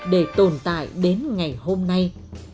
để tồn tại đến ngày hôm nay